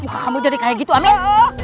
kamu jadi kayak gitu amin